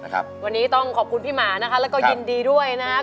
วันนี้ต้องขอบคุณพี่หมานะคะแล้วก็ยินดีด้วยนะครับ